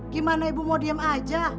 gimana ibu mau diem aja